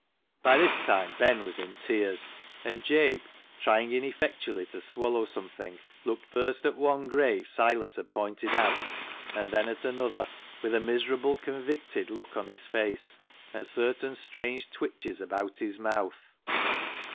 By this time Ben was in tears, and Jabe, trying ineffectually to swallow something, looked first at one grave Silas had pointed out, and then at another, with a miserable convicted look on his face and certain strange twitches about his mouth.